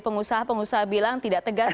pengusaha pengusaha bilang tidak tegas